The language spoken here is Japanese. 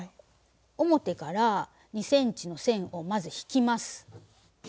表から２ｃｍの線をまず引きます。